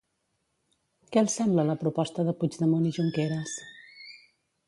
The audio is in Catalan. Què els sembla la proposta de Puigdemont i Junqueras?